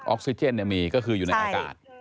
ออกซิเจนมีก็คืออยู่ในอากาศ